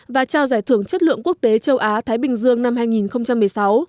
và trao giải thưởng chất lượng quốc tế châu á thái bình dương năm hai nghìn một mươi sáu